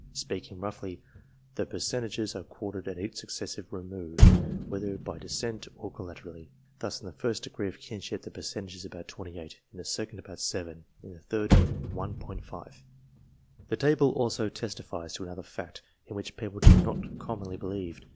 Speaking roughly, the percentages are quartered at each successive remove, whether by descent or collaterally. Thus in the first degree of kinship the percentage is about 28 ; in the second, about 7 ; and in the third, 1 J. The table also testifies to another fact, in which people do not commonly believe.